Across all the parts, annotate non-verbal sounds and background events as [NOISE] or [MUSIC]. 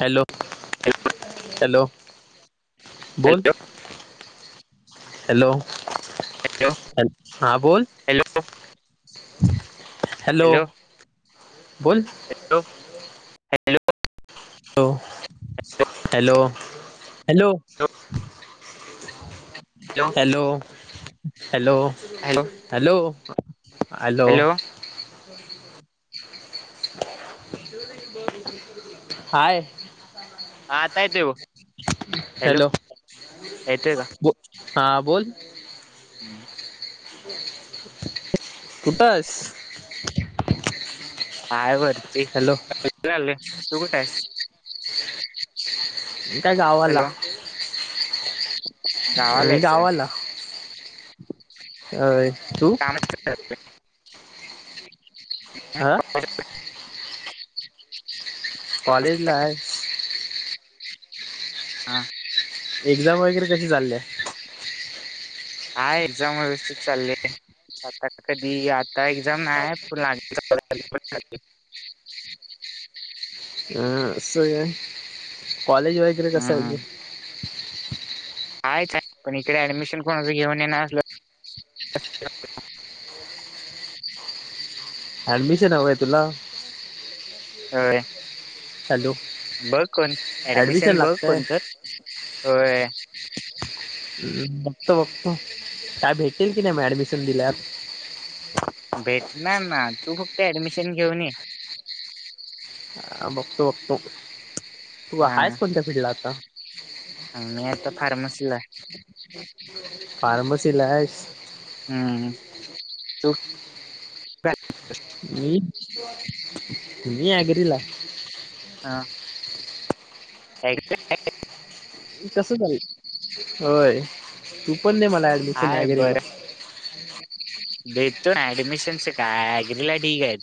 Hello hello बोल. Hello hello. हा बोल. हॅलो हॅलो बोल. Hello hello. Hello hello hello. Hello hello hello. Hello. Hi. हा आता येतोय बघ हॅलो येतोय का. बो हा बोल. हम्म. कुठे आहेस. हाय वरती बाहेर आलोय तू कुठे आहेस. काय गावाला. हॅलो मी गावाला. अ तू. काम हा. कॉलेजला हाय. हा. एक्झाम वगैरे कशी चालल्या. हा एक्झाम व्यवस्थित चाललीय. आता कधी आता एक्झाम नाही प [UNINTELLIGIBLE] [INAUDIBLE] अं असं कॉलेज वगैरे कसं आहे ते. कायच आहे, पण इकडे ऍडमिशन कोणाचं घेऊन येणार असलं. ऍडमिशन हवं आहे तुला. होय. हॅलो. बघ कोण ॲडमिशन ऍडमिशन बघ लागतंय कोण तर होय. बघतो, बघतो काय भेटेल की नाही ऍडमिशन दिल्यावर. [INAUDIBLE] भेटणार ना तू फक्त ऍडमिशन घेऊन ये. ह बघतो, बघतो तू हा आहे, कोणत्या फिल्ड ला आता. मी आता फार्मसीला फार्मसी ला आहेस हम्म तू मी, मी ॲग्री ला आहे हा ॲग्रीला कस ले होय तू पण नाही मला ऍडमिशन आहे ॲग्रीला बरं ह देतो ना ऍडमिशनच का अग्रीला ढीग आहेत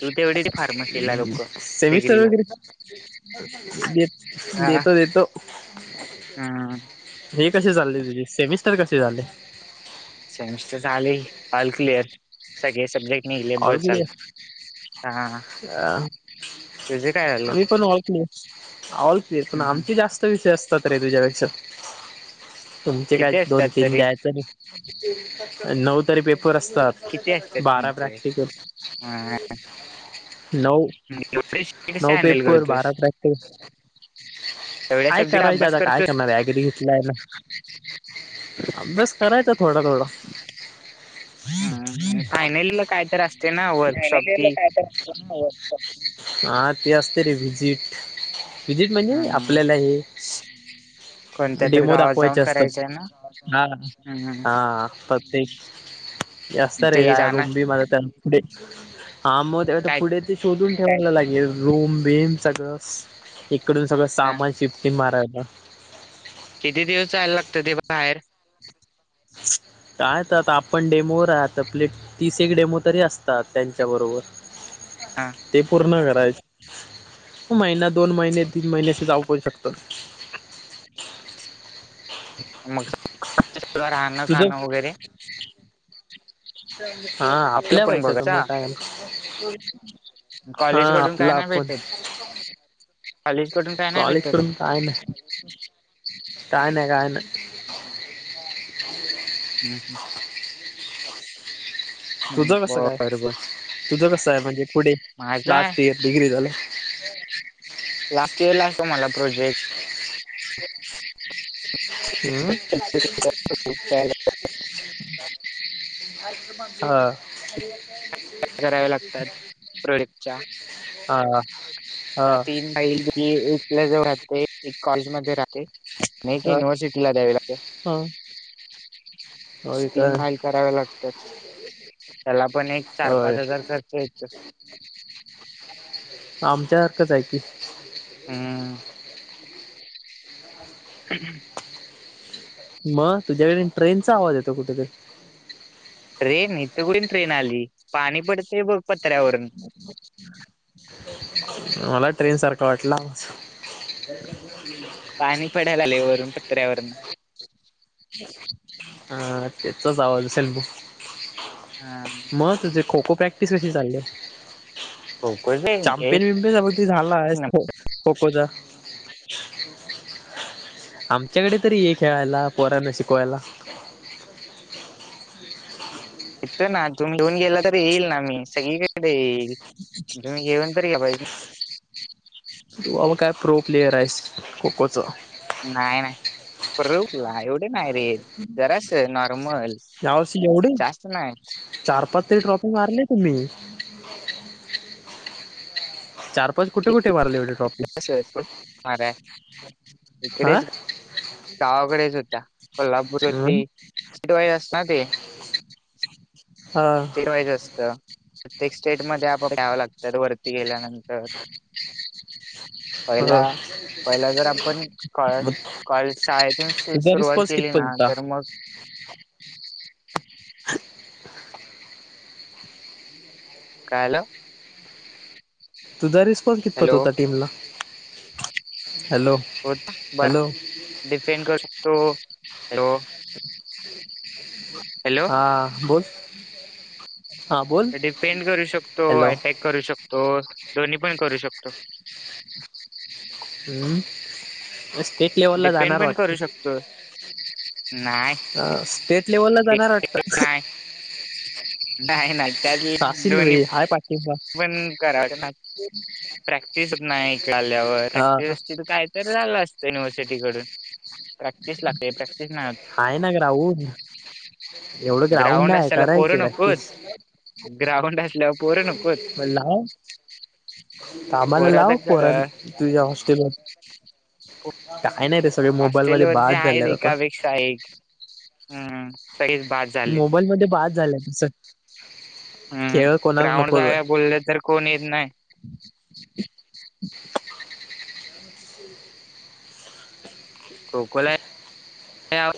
तू तेवढे तिकडे डिग्री ह् सेमिस्टर वगैरेेत देतो, देतो ह ह हे कसे चालले तुझे सेमिस्टर कसे चालले सेमिस्टर चाले ऑल क्लिअर सगळे सब्जेक्ट निघले बर ऑल झालं क्लिअर हा तुझं काय झालं आम्ही पण ऑल क्लिअर, ऑल क्लिअर पण हम्म हम्म. आमची जास्त विषय अस त आहे तुझ्यापेक्षा तुमचे काय किती असतात दोन तीन तरी द्यायचं आणि नऊ तरी पेपर किती असतात बारा प्रॅक्टि तुमचे हा नऊ, एवढे विषय कसे नऊ हँडल पेपर बारा करतोस प्रॅक्टिस एवढ्या य सब्जेक्ट करायच अभ्यास आता काय करतोस करणारे ॲग्री घेतलाय ना अभ्यास करायचा थोडा, थोडा हम् आणि फायनलला काय तर असते ना वर्कशॉप फायनल इयरला ती काय हा ते असते रे विजिट, विजिट म्हणजे हम्म. आपल्याला कोणत्या हे तरी डेमो गावात दाखवायच जाऊन असतात करायचंय ना हा, हम्म हम्म. हा प्रत्येक असत रे ते जाणार रुमबी मझ पुढे हा मग तेव काय पुढे ते शोधून ठेवाला लागेल रूम बिम सगळं इकडून सगळं ह सामान शिफ्टींग मारय हं किती दिवस जायला लागत ते बाहेर काय तर आता आपण डेमोवर आहत आपले तीस एक डेमो तरी असतात त्यांच्या बरोबर हा ते पूर्ण वेळा महिना दोन महिने तीन महिन् अस जाऊ पण शकत आ मग तिथे राहणं तुझं खाणं वगैरे हा आपलं आपल्या पण पैशाचं मग बघायचा काय ना हा कॉलेज कडून काय आपला नाही आपण भेटत कॉलेज कडून काय नाही कॉलेज भेटत कडून काय नाही, काय नाही हम्म ह ह, ह तुझं कसं काय? बर बर तुझं कसं हाय म्हणजे पुढे माझा आहे लास्ट इयर डिग्री झालं [INAUDIBLE] लास्ट इयर ला असतो मला प्रोजेक्ट तयार हम्म हां करावे लागतात प्रोजेक्टच्या हा हा तीन एक आपल्या जवळ राहतय एक कॉलेज मध्ये राह तय आणि एक हा युनव्हर्सिटी ला द्यावे लागते. हा होय तीन काय फाईल कराव्या लागतात... त्याला पण एक चार पाच हजार खर्च येतो... आमच्यासारख च आहे की, हम्म हम् म तुझ्याकडे ट्रेनचा आवाज येतो कुठेतर? इथे कुठून ट्रेन आली पाणी पडतय बघ... पत्र्यावरून [INAUDIBLE] मला ट्रेन सारखं वाटला आवाज... पत्र्यावरन... हा तेचाच आवाज असेल ब... हा म तुझे खो खो प्रॅक्टिस कशी चाललीये? खोकच आहे चॅम्पियन विमपियन एक झालायस न हो... खो खो चा... आमच्याकडे तरी ये खेळायला पोरांना शिकवायला... इथ ना तुम्ही गेला तर येईल ना मी सगळीकड येईल... तुम्ही, घेऊन तरी या पाहिजे ना... तू बाबा काय प्रो प्लेअर आहेस खो खो चा... नाही नाही प्रो कुठंला एवढ नाही रे जरास नॉर्मल.. यावर्षी एवढं जास्त नाही चार, पाच... तरी ट्रॉफी मारली तुम्ही.. चार कुठे कुठे मारले एवढे ट्रॉपी? तस मार हां... इकडेच गावाकडेच होत्या, कोल्हापूर होती सिटी वाईज असता ते... हा चिर वाईज असतं. प्रत्येक स्टेट मध्ये आपण घ्यावं लागतात वरती गेल्यानंतर... ह पहिला पहिला जर आपण क.. मग कॉल शाळेतून सुर तुझा सुरुवात रिस्पॉन्स केली कितपत ना होता तर मग... [UNINTELLIGIBLE] ह.. काय झालं? तुझा रिस्पॉन्स कितपत हॅलो होता टीमला? हॅलो होता बरा, हॅलो डिफेंन करू शकतो, [UNINTELLIGIBLE] हॅलो हा बोल... हा बोल डिफेंड करू शकतो, हॅलो अटॅक करू शकतो, दोन्ही पण करू शकतो... हम्म स्टेट लेवल ला डिपेंड जाणार वाटतं. नाहीय... लेवल ला जाणार वाटतं... नाही नाही त्यात असेल दोन्ही रे हाय पाठिंबा पण करा ना.. प्रॅक्टिस नाही इकड आल्यावर हा प्रॅक्टिस असती तर काय तर झालं असत.. युनिव्हर्सिटी कडून प्रॅक्टिस लागते प्रॅक्टि.. हेाय ना ग्राउंड एवढं ग्राउंड आहे असल्याला करायच पोरं नकोत प्रॅक्टिस.. ग्राउंड असल्यावर पोरं नकोत मन लावून आ कामाला पोरं आता लाव पोर क- तुझ्या हॉस्टेलवर.. पो- काय नाही रे सगळे मोबाईल म हॉस्टेलवरचे बाद झाले आता... हम् मोबाईल मध्ये बाद झालंय तस... हम्म खेळ कोणाला ग्राउंड जा नकोच आहे. बोलले तर कोण येत नाही. [UNINTELLIGIBLE] खो खोला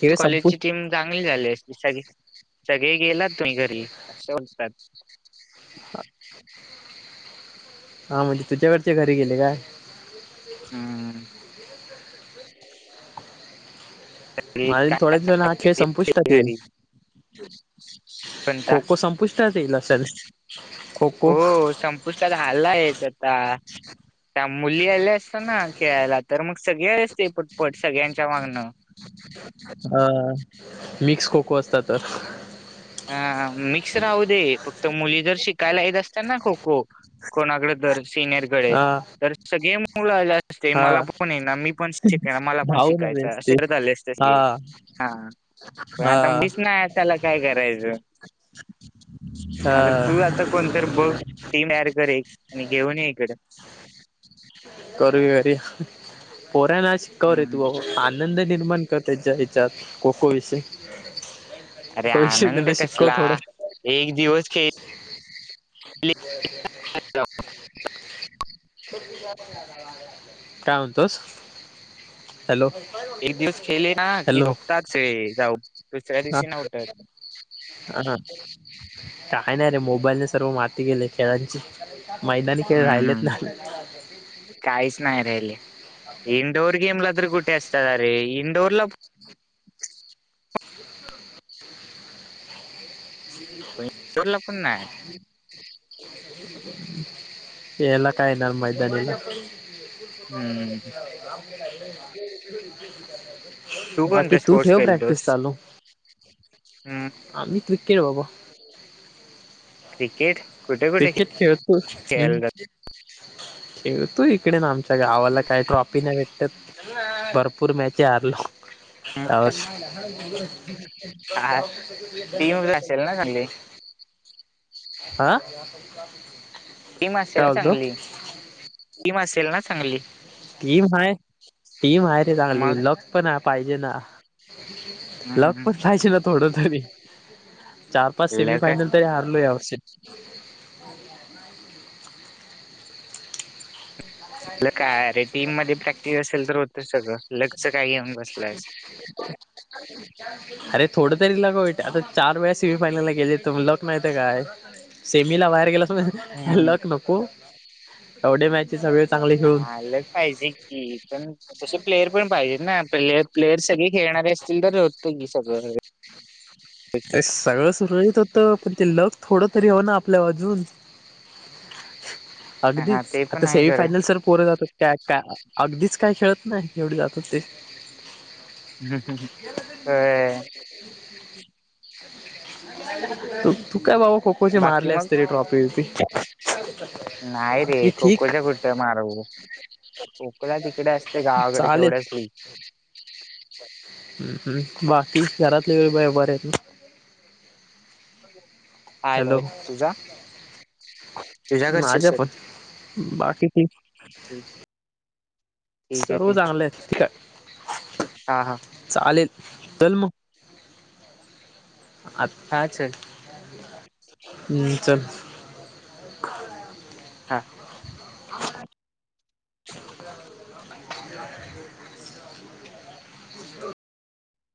खेळ संपू कॉलेजची टीम चांगली झाली असली सगळी सगळे गेलात तुम्ही घरी, असं म्हणतात. हा म्हणजे, तुझ्याकडचे घरी गेले काय? हम्. घरी माझ थोड्या दि [UNINTELLIGIBLE] हा खेळ संपुष्टात काय येईल घरी कोणता खो खो संपुष्टतात येईल अश्यान [INAUDIBLE] हो संपुष्टात आलायच आता. त्या मुली आल्या असत्या ना, खेळायला, तर मग सगळे आले असते पटपट सगळ्यांच्या मागनं. अ मिक्स खो खो असता तर हा, मिक्स राहू दे, फक्त मुली जर शिकायला येत असत्या ना खो खो कोणाकडे तर, सिनियरकडे, हा तर सगळे मुलं आल्या अस मला हा पण ये ना, मी पण शिकनं, मला पण धावून आले शिकायचं, असते असे करत आले असते हा की हा. पण हा आता [UNINTELLIGIBLE] नाही त्याला काय करायचं. ह् [INAUDIBLE] आता तू आता कोणतर बघ, टीम ऍड कर एक आणि घेऊन ये इकड करूया. तें पोऱ्याना शिकव रे तू हम्म भा आनंद निर्माण कर तेच्या ह्याच्यात. ककसे [UNINTELLIGIBLE] अरे आनंद कसला, एक दिवस खे [INAUDIBLE] अ [INAUDIBLE] [INAUDIBLE] काय म्हनतोस? एक दिवस खेलले ना, की झोपतात सगळे, जाऊन. दुसऱ्या हा दिवशी नाही उठत ह ह [INAUDIBLE] काय नाही रे, मोबाईलने सर्व माती केली खेळांची. मैदानी खेळ राहिलेच हम्म नाही. काहीच नाही राहिले. इंडोर गेमला तर कुठ कुठं असतात रे, इडोरला इडोरला पण नाय. याला काय येणार मैदानीला. [INAUDIBLE] हम्म बाकी कोणते तू स्पोर्ट्स ठेव खेळतोस प्रॅक्टिस चालू. हम्म आम्ही क्रिकेट बाबा क्रिकेट. कुठे कुठे क्रिकेट खेळतोस? खेळायला तू, हीकडे ना आमच्या गावाला काही ट्रॉफी नाही भेटत. भरपूर मॅची हरलो. ब [UNINTELLIGIBLE] आवाज [INAUDIBLE] जात टीम असेल ना चांगली आा टीम असेल ना चांगली. टीम असेल ना चांगली. टीम हाय टीम आहे रे चांगली, मग लक पण पाहिजे ना! हम्म लक हम्म. पण पायचे ना, थोड तरी. चार -पाच लक सेमीफायनल असलं तरी हारलो यावर्षी. काय रे टीम मध्ये प्रॅक्टिस असेल, तर होतच सगळं. [INAUDIBLE] लकच काय घेऊन बसलायस अरे थोड तरी लाग आता चार वेळा सेमीफायल ला गेलेलो त लक नाही तर काय? सेमीला बाहेर गेले होय. हम्म लक नको? एवढे मॅच हा लक पाहिजे की. पण तशे प्लेयर पण पाहिजेत ना प्लेअर, प्लेयर सगळे खेळणारे असतील तर होत की सगळं. अरे, सगळं सुरळीत होत, पण ते लक थोडं तरी हो ना आपल्या अजून हा अगदीच ते आता पण आहे खरं सेमीफायनल सर पोरं जात का का अगदीच काय खेळत नाही एवढे जातात ते हम् ते व्हय त तू काय बाबा खो खोचे बाकी मारले अस मग त र ट्रॉफी वी नाही रे खोकोच्या खुठ मारू खोकला तिकडे असते गावाकडे तेवढच लि हम् हम् बाकी घरातले व बा बरेत ना आहेत हॅलो आहेत तुझ्या माझ्या घरचे पण बाकीची ठीक आहे ठीक सर्व आहे चांगलंय काय हा हा चालेल चल मग आ हा सर चल हा [UNINTELLIGIBLE]